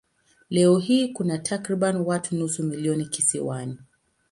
Leo hii kuna takriban watu nusu milioni kisiwani.